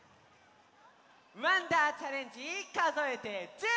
「わんだーチャレンジかぞえて１０」！